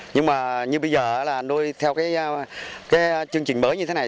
nhưng mà như bây giờ nuôi theo chương trình mới như thế này